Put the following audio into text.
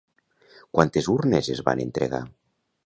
Quantes urnes es van entregar?